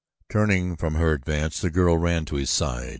Turning from her advance the girl ran to his side.